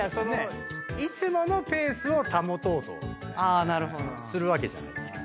いつものペースを保とうとするわけじゃないですか